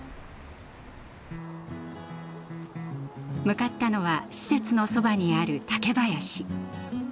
向かったのは施設のそばにある竹林。